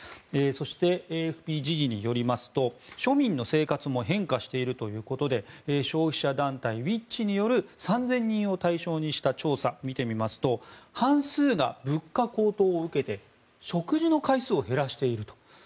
そして、ＡＦＰ時事によりますと庶民の生活も変化しているということで消費者団体Ｗｈｉｃｈ？による３０００人を対象にした調査を見てみますと半数が物価高騰を受けて食事の回数を減らしていると。